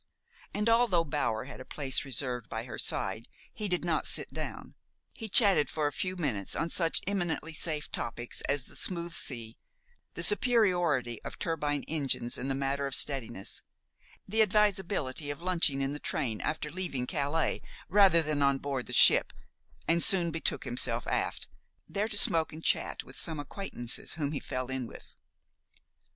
And, although Bower had a place reserved by her side, he did not sit down. He chatted for a few minutes on such eminently safe topics as the smooth sea, the superiority of turbine engines in the matter of steadiness, the advisability of lunching in the train after leaving Calais, rather than on board the ship, and soon betook himself aft, there to smoke and chat with some acquaintances whom he fell in with.